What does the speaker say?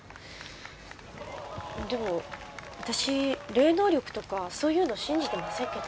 でも私霊能力とかそういうの信じてませんけど。